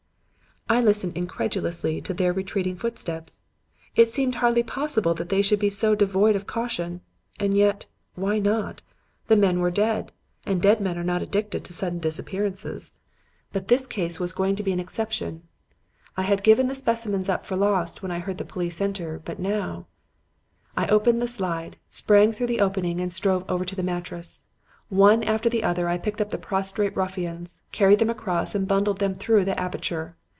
"I listened incredulously to their retreating footsteps. It seemed hardly possible that they should be so devoid of caution. And yet, why not? The men were dead. And dead men are not addicted to sudden disappearances. "But this case was going to be an exception. I had given the specimens up for lost when I heard the police enter; but now "I opened the slide, sprang through the opening, and strode over to the mattress. One after the other, I picked up the prostrate ruffians, carried them across and bundled them through the aperture.